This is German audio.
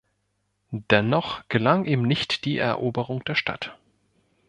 Dennoch gelang ihm nicht die Eroberung der Stadt.